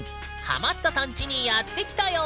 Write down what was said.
ハマったさんちにやって来たよ！